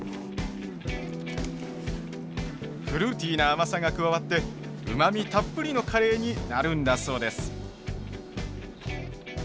フルーティーな甘さが加わってうまみたっぷりのカレーになるんだそうです。